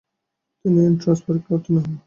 তিনি এন্ট্রান্স পরীক্ষায় উত্তীর্ণ হন।